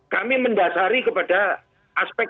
kami mendasari kepada aspek